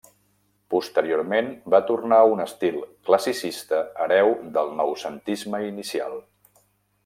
Posteriorment va tornar a un estil classicista hereu del noucentisme inicial.